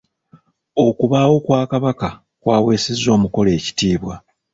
Okubaawo kwa kabaka kw'aweesezza omukolo ekitiibwa.